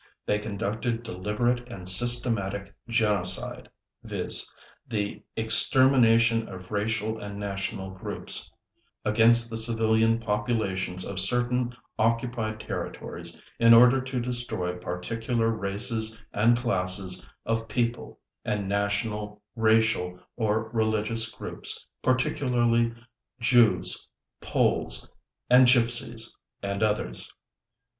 They conducted deliberate and systematic genocide, viz., the extermination of racial and national groups, against the civilian populations of certain occupied territories in order to destroy particular races and classes of people and national, racial, or religious groups, particularly Jews, Poles, and Gypsies and others.